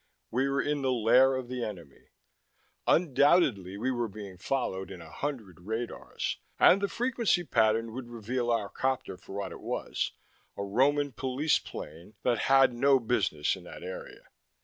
We were in the lair of the enemy. Undoubtedly we were being followed in a hundred radars, and the frequency pattern would reveal our copter for what it was a Roman police plane that had no business in that area.